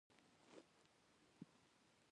احمد په مرګ ونيسه؛ تبې ته به راضي شي.